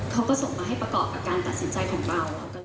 เขาก็ส่งมาให้ประกอบกับการตัดสินใจของเรา